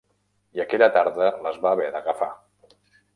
I aquella tarda les va haver d'agafar.